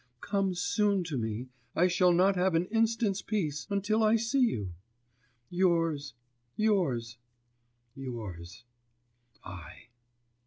Come soon to me, I shall not have an instant's peace until I see you. Yours, yours, yours, I.